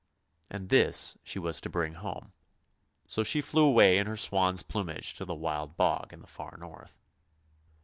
And this she was to bring home. So she flew away in her swan's plumage to the Wild Bog in the far north.